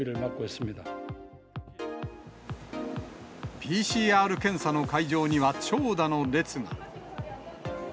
ＰＣＲ検査の会場には、長蛇の列が。